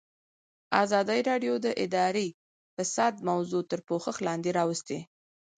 ازادي راډیو د اداري فساد موضوع تر پوښښ لاندې راوستې.